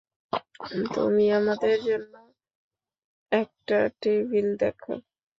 তুমি আমাদের জন্য একটা টেবিল দেখো।